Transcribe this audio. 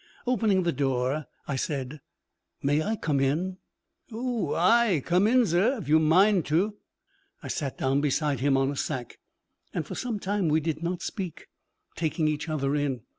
Opening the door, I said, 'May I come in?' 'Oo ay! Come in, zurr, if yu'm a mind tu.' I sat down beside him on a sack. And for some time we did not speak, taking each other in.